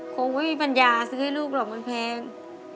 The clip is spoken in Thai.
คงไม่มีปัญญาซื้อให้ลูกหรอกมันแพง